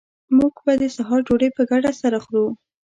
موږ به د سهار ډوډۍ په ګډه سره خورو